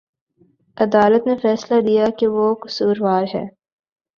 عدالت نے فیصلہ دیا کہ وہ قصوروار ہے